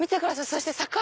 そして「栄」！